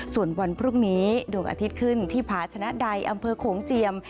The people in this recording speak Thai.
ส่วนวันพรุ่งนี้ดวงอาทิตย์ขึ้นที่ผาชนะใดอำเภอโขงเจียม